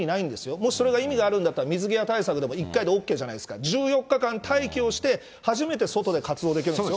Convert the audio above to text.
もしそれが意味があるんだったら、水際対策でも１回でＯＫじゃないですか、１４日間待機をして初めて外で活動できるんですよ。